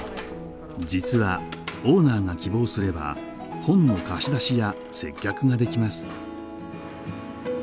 実はオーナーが希望すれば本の貸し出しや接客ができます。